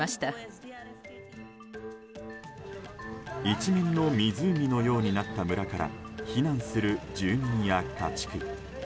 一面の湖のようになった村から避難する住民や家畜。